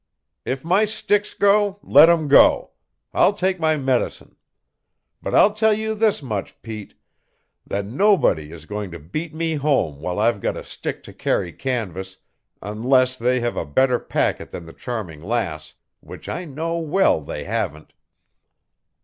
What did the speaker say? "If my sticks go, let 'em go, I'll take my medicine; but I'll tell you this much, Pete, that nobody is going to beat me home while I've got a stick to carry canvas, unless they have a better packet than the Charming Lass which I know well they haven't."